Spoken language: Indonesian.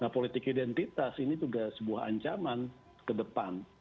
nah politik identitas ini juga sebuah ancaman ke depan